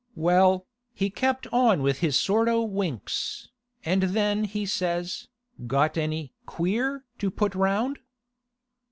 Well, he kept on with his sort o' winks, and then he says, "Got any queer to put round?"